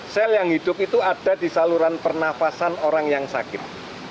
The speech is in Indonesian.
sel yang hidup itu ada di saluran pernafasan orang yang sakit